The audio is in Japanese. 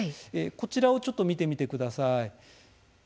こちらをちょっと見てみてください。